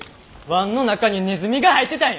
椀の中にネズミが入ってたんや！